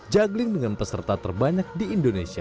juggling dengan peserta terbanyak di indonesia